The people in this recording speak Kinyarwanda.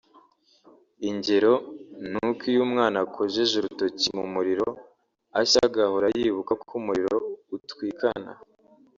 Ingero ni uko iyo umwana akojeje urutoki mu muriro ashya agahora yibuka ko umuriro utwikana